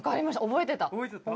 覚えてた！